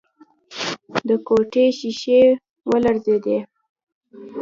د کوټې ښيښې ولړزېدې.